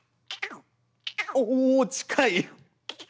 おお近い！